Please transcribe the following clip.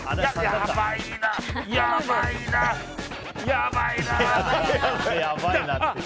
やばいな。